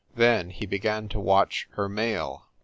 Then he began to watch her mail.